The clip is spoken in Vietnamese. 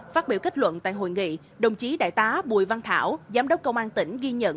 phát biểu kết luận tại hội nghị đồng chí đại tá bùi văn thảo giám đốc công an tỉnh ghi nhận